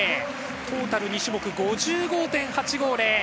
トータル２種目５５．８５０。